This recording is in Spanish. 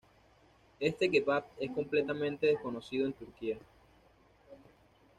Este kebab es completamente desconocido en Turquía.